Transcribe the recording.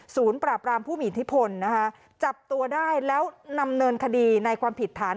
ปราบรามผู้มีอิทธิพลนะคะจับตัวได้แล้วนำเนินคดีในความผิดฐาน